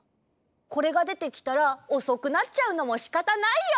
これがでてきたらおそくなっちゃうのもしかたないよ。